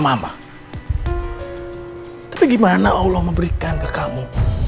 masih ingin mendengar suaramu